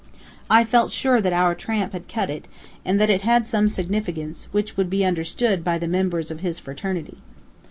I felt sure that our tramp had cut it, and that it had some significance, which would be understood by the members of his fraternity.